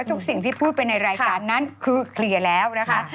ทุกสิ่งที่พูดไปในรายการนั้นคือเคลียร์แล้วนะคะ